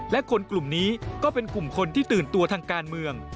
และคนกลุ่มนี้ก็เป็นกลุ่มคนที่ตื่นตัวทางการเมือง